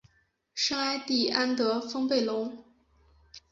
圣艾蒂安德丰贝隆。